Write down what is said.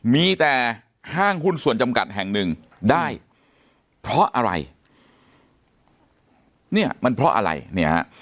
มีแต่ห้างหุ้นส่วนจำกัดแห่งหนึ่งได้เพราะอะไรเนี่ยมันเพราะอะไรเนี่ยฮะ